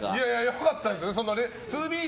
良かったですよ。